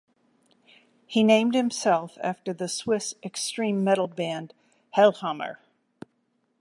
He named himself after the Swiss extreme metal band Hellhammer.